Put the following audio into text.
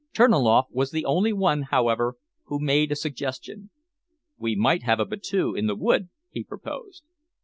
Terniloff was the only one, however, who made a suggestion. "We might have a battue in the wood," he proposed.